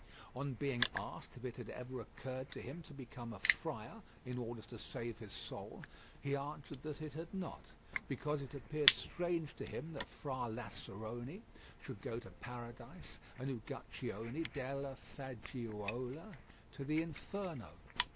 On being asked if it had ever occurred to him to become a friar in order to save his soul, he answered that it had not, because it appeared strange to him that Fra Lazerone should go to Paradise and Uguccione della Faggiuola to the Inferno.